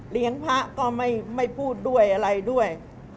เลี้ยงพระก็ไม่พูดด้วยอะไรด้วย